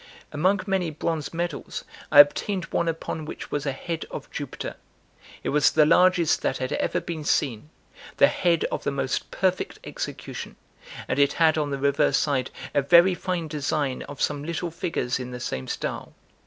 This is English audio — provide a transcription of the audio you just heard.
Among many bronze medals, I obtained one upon which was a head of Jupiter. It was the largest that had ever been seen; the head of the most perfect execution; and it had on the reverse side a very fine design of some little figures in the same style.